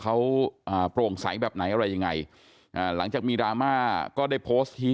เขาอ่าโปร่งใสแบบไหนอะไรยังไงอ่าหลังจากมีดราม่าก็ได้โพสต์นี้